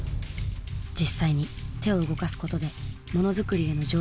実際に手を動かすことでモノづくりへの情熱を取り戻す。